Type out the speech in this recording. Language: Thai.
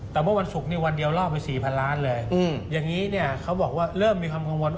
แต่เมื่อวันศุกร์นี่วันเดียวล่อไปสี่พันล้านเลยอย่างนี้เนี่ยเขาบอกว่าเริ่มมีความกังวลว่า